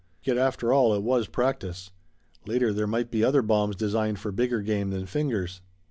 Yet, after all, it was practice. Later there might be other bombs designed for bigger game than fingers.